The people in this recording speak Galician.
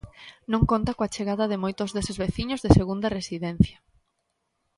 Non conta coa chegada de moitos deses veciños de segunda residencia.